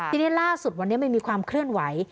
ทีนี้ล่าสุดวันนี้มันมีความเคลื่อนไหว